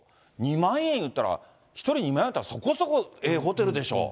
２万円いったら、１人２万円やったら、そこそこええホテルでしょう。